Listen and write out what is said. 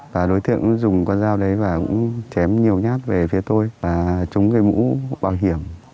và đối tượng dùng con dao đấy và cũng chém nhiều nhát về phía tôi và chống người mũ bảo hiểm